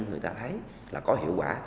người ta thấy là có hiệu quả